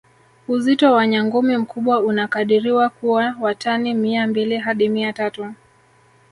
Uzito wa nyangumi mkubwa unakadiriwa kuwa wa tani Mia mbili hadi Mia tatu